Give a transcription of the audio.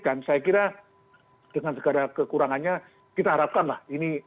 dan saya kira dengan segala kekurangannya kita harapkan lah ini